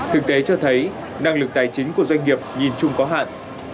thực tế cho thấy năng lực tài chính của doanh nghiệp nhìn chung có hạn